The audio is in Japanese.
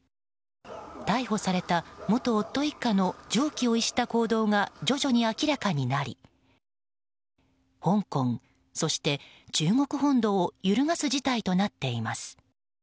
逮捕された元夫一家の常軌を逸した行動が徐々に明らかになり香港、そして中国本土を揺るがす事態となっています。